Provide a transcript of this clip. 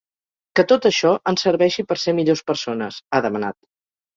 Que tot això ens serveixi per ser millors persones, ha demanat.